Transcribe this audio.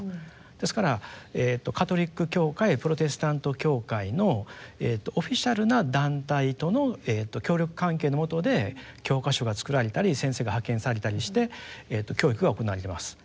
ですからカトリック教会プロテスタント教会のオフィシャルな団体との協力関係のもとで教科書が作られたり先生が派遣されたりして教育が行われています。